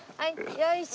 よいしょ！